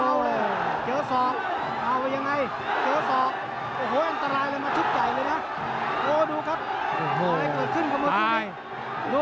โอ้วดูครับอะไรเกิดขึ้นข้าวมือที่ไหน